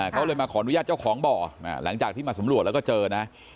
เขาเลยมาขออนุญาตเจ้าของบ่อหลังจากที่มาสำรวจแล้วก็เจอนะ